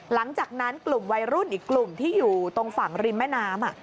หลังจากนั้นกลุ่มวัยรุ่นอีกกลุ่มที่อยู่ตรงฝั่งริมแม่น้ำ